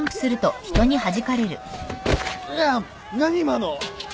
ああっ何今の！？